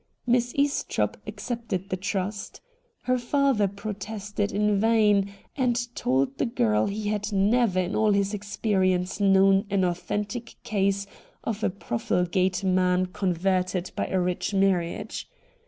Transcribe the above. Miss Estropp accepted the trust. Her father protested in vain, and told the girl he had never in all his experience known an authentic case of a profligate man con verted by a rich marriage.